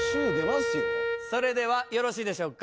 それではよろしいでしょうか？